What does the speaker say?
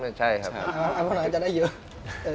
ไม่ใช่ครับจะได้เยอะ